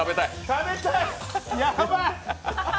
食べたい、ヤバい！